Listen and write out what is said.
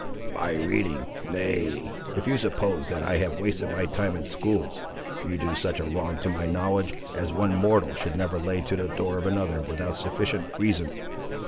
"My reading! nay, if you suppose, that I have wasted my time in schools, you do such a wrong to my knowledge, as one mortal should never lay to the door of another without sufficient reason.